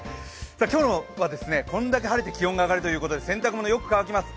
今日はこれだけ晴れて気温が上がるということで洗濯物はよく乾きます。